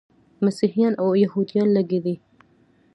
مسیحیان او یهودان لږکي دي.